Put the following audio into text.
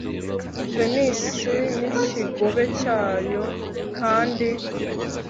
venise n'ikigobe cyayo, kandi